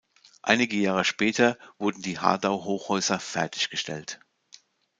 Einige Jahre später wurden die Hardau-Hochhäuser fertiggestellt.